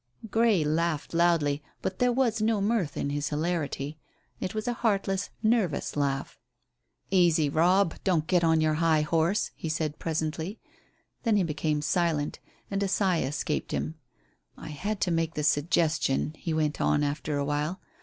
Grey laughed loudly, but there was no mirth in his hilarity. It was a heartless, nervous laugh. "Easy, Robb, don't get on your high horse," he said presently. Then he became silent, and a sigh escaped him. "I had to make the suggestion," he went on, after a while.